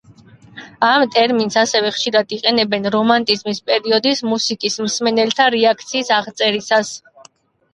ამ ტერმინს ასევე ხშირად იყენებენ რომანტიზმის პერიოდის მუსიკის მსმენელთა რეაქციის აღწერისას.